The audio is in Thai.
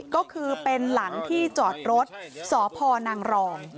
ก็คือเป็นหลังที่จอดรถสพนางรอง